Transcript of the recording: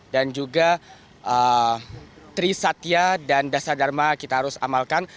dan juga trisatya dan dasar dharma kita harus amalkan